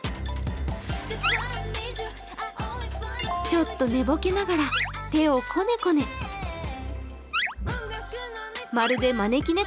ちょっと寝ぼけながら手をコネコネ。